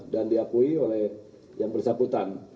dan diakui oleh yang bersakutan